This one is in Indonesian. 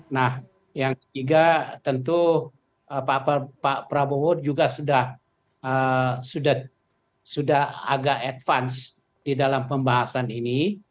nah yang ketiga tentu pak prabowo juga sudah agak advance di dalam pembahasan ini